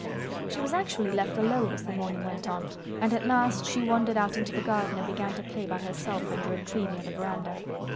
She was actually left alone as the morning went on, and at last she wandered out into the garden and began to play by herself under a tree near the veranda.